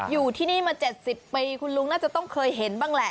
อยู่ที่นี่มา๗๐ปีคุณลุงน่าจะต้องเคยเห็นบ้างแหละ